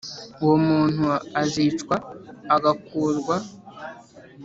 Uwo muntu azicwa agakurwa